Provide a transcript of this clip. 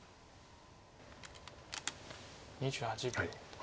２８秒。